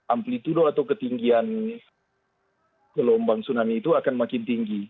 amplitudo atau ketinggian gelombang tsunami itu akan makin tinggi